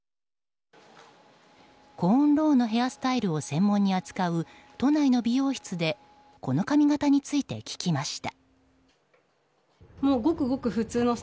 コーンロウのヘアスタイルを専門に扱う都内の美容室でこの髪形について聞きました。